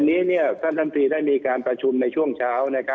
วันนี้ท่านลำตรีได้มีการประชุมในช่วงเช้า